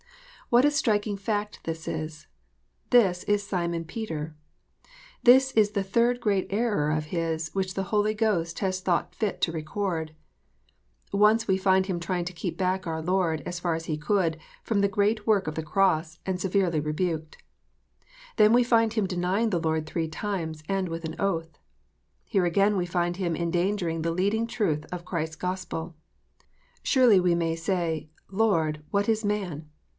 What a striking fact this is. This is Simon Peter ! This is the third great error of his, which the Holy Ghost has thought fit to record ! Once we find him trying to keep back our Lord, us far as he could, from the great work of the cross, and severely rebuked. Then we find him denying the Lord three times, and with an oath. Here again we find him endangering the leading truth of Christ s Gospel. Surely we may say, "Lord, what is man?"